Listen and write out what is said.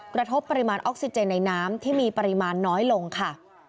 กระทบปริมาณออกซิเจนในน้ำที่มีปริมาณน้อยลงค่ะ